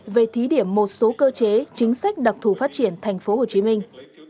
về thí điểm một số cơ chế chính sách đặc thù phát triển thành phố hồ chí minh